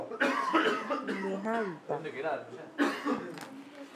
Mgbe ha rutara